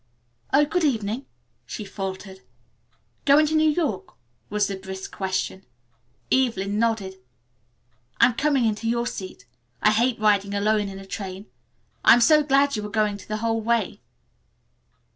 "Oh good evening," she faltered. "Going to New York?" was the brisk question. Evelyn nodded. "I'm coming into your seat. I hate riding alone in a train. I'm so glad you are going the whole way."